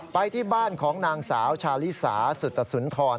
ไปที่บ้านของนางสาวชาลิสาสุตสุนทร